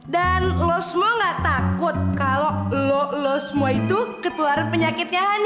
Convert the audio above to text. dan lo semua ga takut kalau lo lo semua itu ketularan penyakitnya honey